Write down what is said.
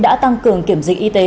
đã tăng cường kiểm dịch y tế